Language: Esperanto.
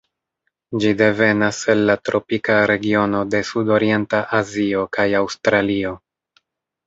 Ĝi devenas el la tropika regiono de Sudorienta Azio kaj Aŭstralio.